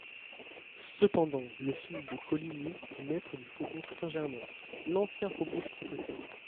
Cependant le fils de Coligny est maître du faubourg Saint-Germain, l'ancien faubourg protestant.